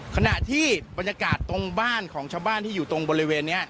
ขณะที่บรรยากาศตรงบ้านของชาวบ้านที่อยู่ตรงบริเวณนี้